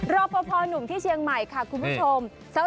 รอปภหนุ่มที่เชียงใหม่ค่ะคุณผู้ชม